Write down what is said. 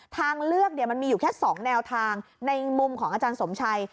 ทางเลือกมันมีอยู่แค่๒แนวทางในมุมของอาจารย์สมชัย